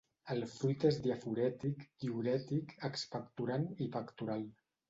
El fruit és diaforètic, diürètic, expectorant i pectoral.